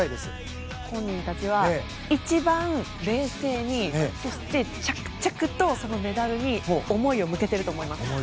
本人たちは一番冷静にそして着々とメダルに思いを向けていると思います。